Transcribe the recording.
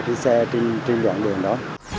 cái xe trên đoạn đường đó